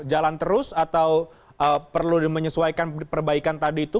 jalan terus atau perlu menyesuaikan perbaikan tadi itu